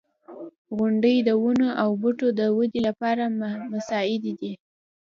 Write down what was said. • غونډۍ د ونو او بوټو د ودې لپاره مساعدې دي.